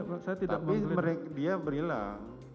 tapi dia berilah saya digeledah